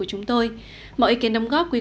hẹn gặp lại